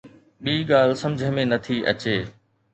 ٻي ڳالهه سمجھ ۾ نٿي اچي.